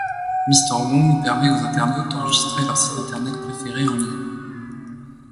Mister Wong permet aux internautes d'enregistrer leurs sites internet préférés en ligne.